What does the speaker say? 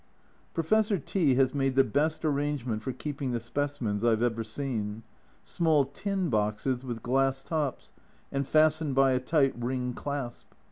Professor T has made the best arrangement for keeping the specimens I have ever seen small tin boxes, with glass tops, and fastened by a tight ring clasp.